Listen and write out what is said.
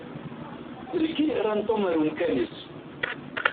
D nekk i yerran Tom ar umkan-is.